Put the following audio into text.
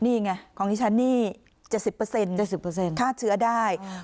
นี่ไงของที่ฉันนี่๗๐๗๐ฆ่าเชื้อได้